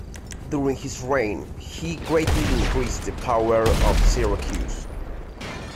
During his reign, he greatly increased the power of Syracuse.